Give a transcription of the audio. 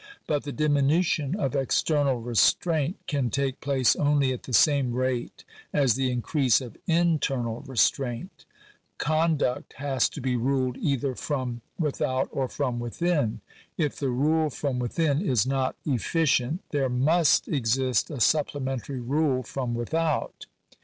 But the diminution of external re straint can take place only at the same rate as the increase of internal restraint. Conduct has to he ruled either from with out or from within. If the rule from within is not efficient, there must exist a supplementary rule from without.